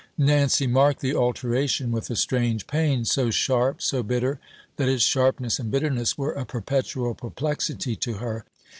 Nancy marked the alteration with a strange pain, so sharp, so bitter, that its sharpness and bitterness were a perpetual perplexity to her.